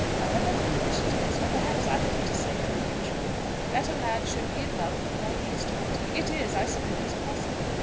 However foolish it is, or perhaps I had better say unusual, that a lad should be in love before he is twenty, it is, I suppose, possible.